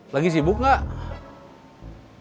lagi sibuk gak